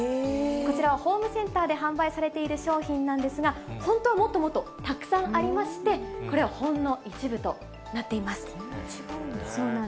こちらはホームセンターで販売されている商品なんですが、本当はもっともっとたくさんありまして、こんな違うんだ。